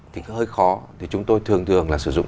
thì cứ hơi khó thì chúng tôi thường thường là sử dụng